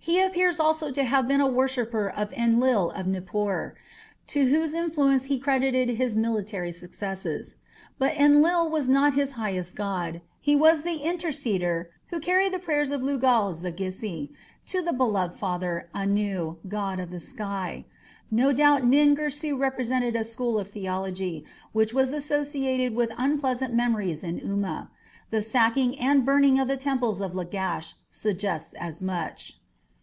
He appears also to have been a worshipper of Enlil of Nippur, to whose influence he credited his military successes. But Enlil was not his highest god, he was the interceder who carried the prayers of Lugal zaggisi to the beloved father, Anu, god of the sky. No doubt Nin Girsu represented a school of theology which was associated with unpleasant memories in Umma. The sacking and burning of the temples of Lagash suggests as much.